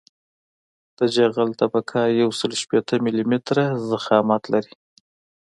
د جغل طبقه یوسل شپیته ملي متره ضخامت لري